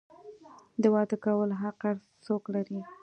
د واده کولو حق هر څوک لري.